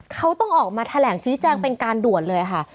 เขาต้องออกมาแถลงชี้แจงเป็นการด่วนเลยค่ะ